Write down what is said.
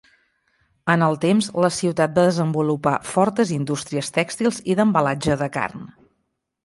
En el temps la ciutat va desenvolupar fortes Indústries tèxtils i d'embalatge de carn.